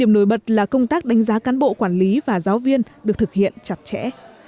nổi bật là công tác đánh giá cán bộ quản lý và giáo viên được thực hiện chặt chẽ